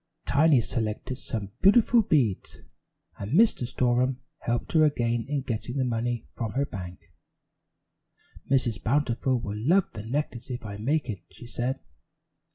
Tiny selected some beautiful beads, and Mr. Storem helped her again in getting the money from her bank. "Mrs. Bountiful will love the necklace if I make it," she said.